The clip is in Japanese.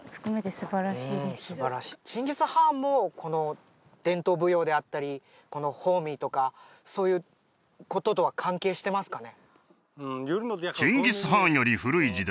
すばらしいチンギス・ハーンもこの伝統舞踊であったりこのホーミーとかそういうこととは関係してますかね？